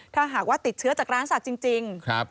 ถ้าหากว่าติดเชื้อจากร้านสัตว์จริง